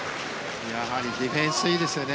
やはりディフェンスいいですよね。